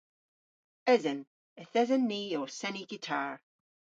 Esen. Yth esen ni ow seni gitar.